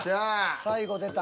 最後出た。